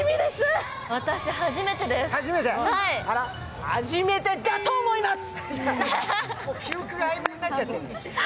初めてだと思います！